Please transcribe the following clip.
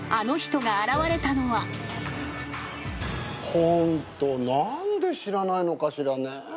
ホント何で知らないのかしらね。